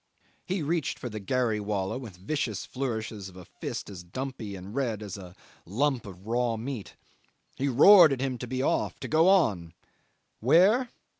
He reached for the gharry wallah with vicious flourishes of a fist as dumpy and red as a lump of raw meat. He roared at him to be off, to go on. Where?